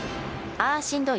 ああしんどい。